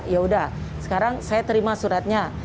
ya udah sekarang saya terima suratnya